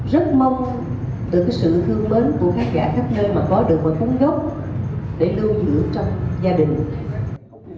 rất mong được cái sự thương mến của khán giả khắp nơi mà có được và cúng góp để lưu giữ trong gia đình